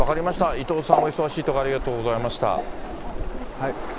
伊藤さん、お忙しいところありがとうございました。